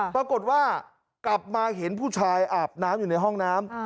ปรากฏว่ากลับมาเห็นผู้ชายอาบน้ำอยู่ในห้องน้ำ